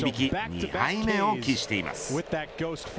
２敗目を喫しています。